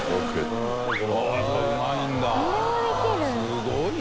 すごい。